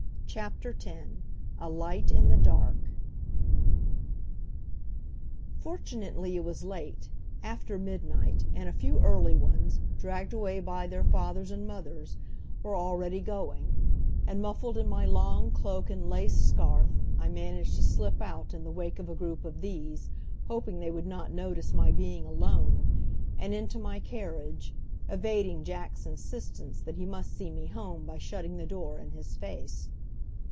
CHAPTER X A LIGHT IN THE DARK Fortunately it was late, after midnight, and a few early ones, dragged away by their fathers and mothers, were already going; and muffled in my long cloak and lace scarf I managed to slip out in the wake of a group of these hoping they would not notice my being alone and into my carriage, evading Jack's insistence that he must see me home by shutting the door in his face.